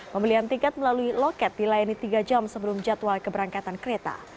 pembelian tiket melalui loket dilayani tiga jam sebelum jadwal keberangkatan kereta